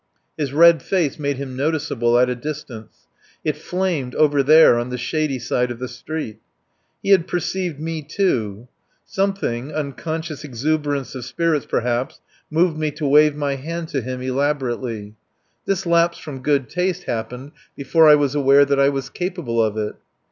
His red face made him noticeable at a distance. It flamed, over there, on the shady side of the street. He had perceived me, too. Something (unconscious exuberance of spirits perhaps) moved me to wave my hand to him elaborately. This lapse from good taste happened before I was aware that I was capable of it.